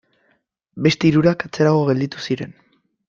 Beste hirurak atzerago gelditu ziren.